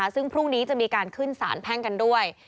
ซึ่งพรุ่งนี้จะมีการขึ้นสารแพ่งกันด้วย